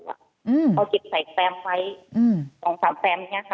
พอกิจใส่แปรมไว้๒๓แปรมด้วยนี่ค่ะ